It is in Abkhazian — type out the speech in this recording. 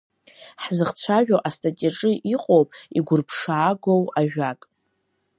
Ҳзыхцәажәо астатиаҿы иҟоуп игәырԥшаагоу ажәак…